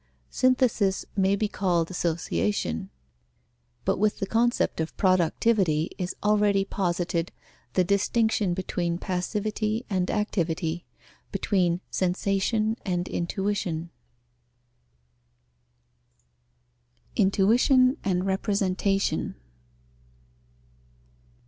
Synthesis may be called association; but with the concept of productivity is already posited the distinction between passivity and activity, between sensation and intuition. _Intuition and representation.